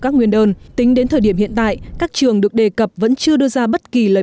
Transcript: các nguyên đơn tính đến thời điểm hiện tại các trường được đề cập vẫn chưa đưa ra bất kỳ lời